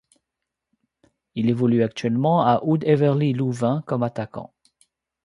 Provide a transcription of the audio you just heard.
Il évolue actuellement à Oud-Heverlee Louvain comme attaquant.